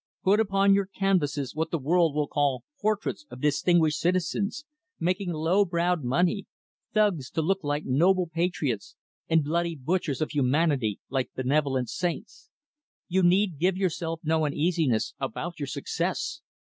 Put upon your canvases what the world will call portraits of distinguished citizens making low browed money thugs to look like noble patriots, and bloody butchers of humanity like benevolent saints. You need give yourself no uneasiness about your success.